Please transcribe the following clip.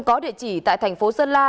có địa chỉ tại tp sơn la